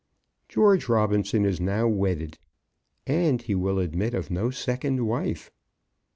George Robinson is now wedded, and he will admit of no second wife.